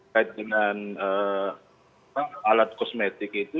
kait dengan alat kosmetik itu